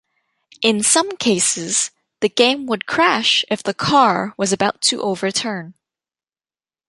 In some cases, the game would crash if the car was about to overturn.